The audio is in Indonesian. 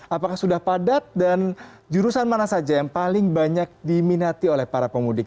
apakah sudah padat dan jurusan mana saja yang paling banyak diminati oleh para pemudik